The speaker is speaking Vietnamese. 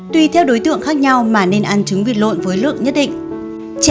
tùy theo đối tượng khác nhau mà nên ăn trứng vịt lộn với lượng nhất định